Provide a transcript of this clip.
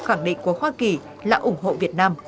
khẳng định của hoa kỳ là ủng hộ việt nam